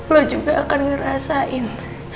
lo juga akan ngerasain